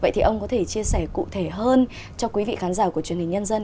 vậy thì ông có thể chia sẻ cụ thể hơn cho quý vị khán giả của truyền hình nhân dân